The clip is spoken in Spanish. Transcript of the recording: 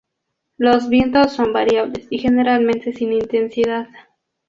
Los vientos son variables y generalmente sin intensidad.